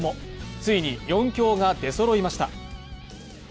ついに４強が出そろいました。